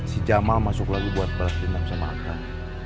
si jamal masuk lagi buat berpindah sama kak